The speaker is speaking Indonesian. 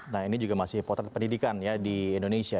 nah ini juga masih potret pendidikan ya di indonesia